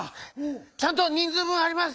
ちゃんと人ずうぶんあります！